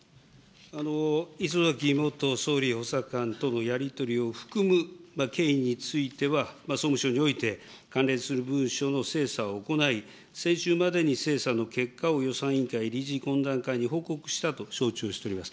礒崎元総理補佐官とのやり取りを含む経緯については、総務省において、関連する文書の精査を行い、先週までに精査の結果を予算委員会理事懇談会に報告をしたと承知をしております。